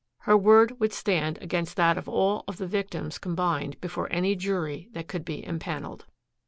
Her word would stand against that of all of the victims combined before any jury that could be empaneled.